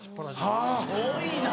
すごいな！